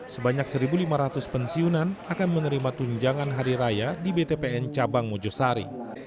sebanyak satu lima ratus pensiunan akan menerima tunjangan hari raya di btpn cabang mojosari